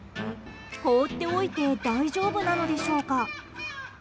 放っておいて大丈夫なのでしょうか。